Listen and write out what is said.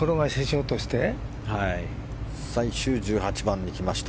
最終１８番に来ました。